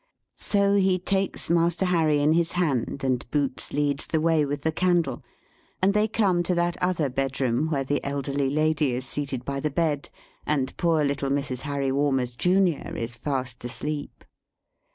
So he takes Master Harry in his hand, and Boots leads the way with the candle, and they come to that other bedroom, where the elderly lady is seated by the bed, and poor little Mrs. Harry Walmers, Junior, is fast asleep.